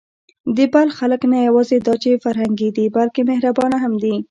د بلخ خلک نه یواځې دا چې فرهنګي دي، بلکې مهربانه هم دي.